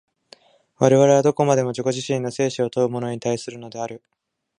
我々はどこまでも自己自身の生死を問うものに対するのである。